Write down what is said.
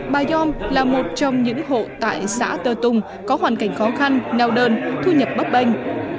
bà yom là một trong những hộ tại xã tơ tùng có hoàn cảnh khó khăn nèo đơn thu nhập bắp bành